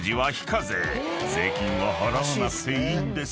［税金は払わなくていいんです］